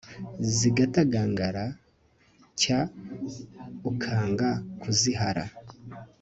zigatagangara cyaukanga kuzihara